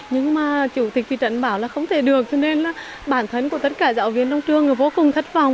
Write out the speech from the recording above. nhưng mà chủ tịch thị trấn bảo là không thể được cho nên là bản thân của tất cả giáo viên trong trường vô cùng thất vọng